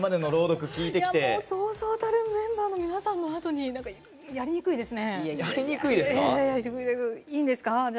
そうそうたるメンバーの皆さんのあとにやりにくいですね。